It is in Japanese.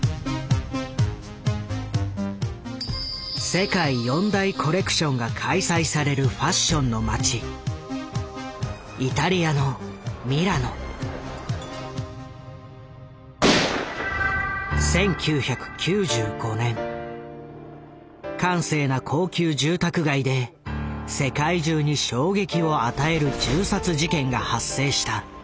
世界４大コレクションが開催されるファッションの街閑静な高級住宅街で世界中に衝撃を与える銃殺事件が発生した。